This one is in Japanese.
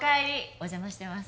お邪魔してます